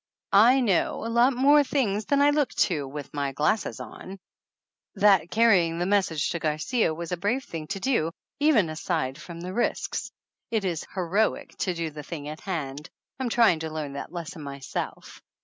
"I know a lot more things than I look to with my glasses on ! That carrying the message to Garcia was a brave thing to do, even aside from the risks. It is heroic to do the thing at hand. I'm trying to learn that lesson myself.